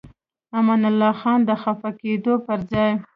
امان الله خان د خفه کېدو پر ځای.